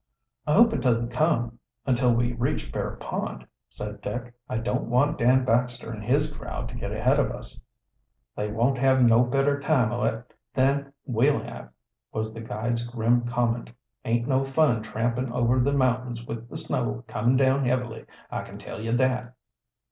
"I hope it doesn't come until we reach Bear Pond," said Dick, "I don't want Dan Baxter and his crowd to get ahead of us." "They won't have no better time o' it than we'll have," was the guide's grim comment. "Aint no fun trampin' over the mountains with the snow comin' down heavily; I can tell you that."